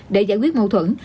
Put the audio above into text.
để giải quyết mâu thuẫn